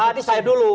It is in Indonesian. tadi saya dulu